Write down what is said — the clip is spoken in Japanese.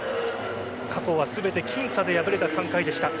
過去は全て僅差で敗れた３回でした。